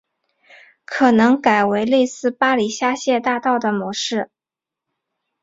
可能改为类似巴黎香榭大道的模式